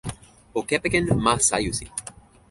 o kepeken "ma Sajusi".